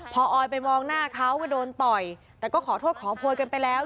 พอออยไปมองหน้าเขาว่าโดนต่อยแต่ก็ขอโทษขอโพยกันไปแล้ว